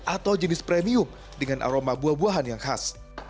atau jenis premium dengan aroma buah buahan yang khas